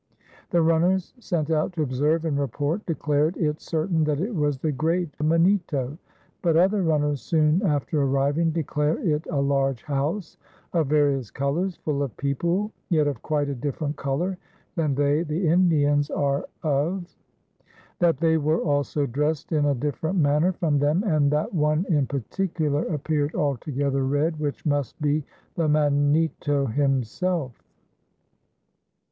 The runners sent out to observe and report declared it certain that it was the Great Manito, "but other runners soon after arriving, declare it a large house of various colors, full of people yet of quite a different color than they [the Indians] are of. That they were also dressed in a different manner from them and that one in particular appeared altogether red, which must be the Mannitto himself."